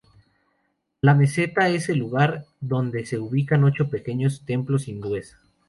La meseta es el lugar donde se ubican ocho pequeños templos hindúes.